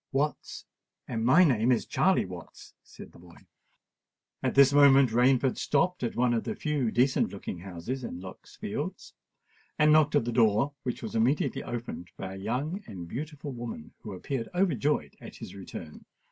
"Watts—and my name is Charley Watts," said the boy. At this moment Rainford stopped at one of the few decent looking houses in Lock's Fields, and knocked at the door, which was immediately opened by a young and beautiful woman, who appeared overjoyed at his return.